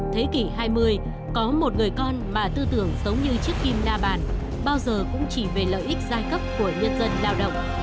thế kỷ hai mươi có một người con mà tư tưởng giống như chiếc kim na bàn bao giờ cũng chỉ về lợi ích giai cấp của nhân dân lao động